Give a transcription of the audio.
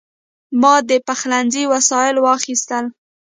ما د پخلنځي وسایل واخیستل.